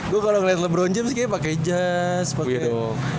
gue kalo ngeliat lebron james kayaknya pake jazz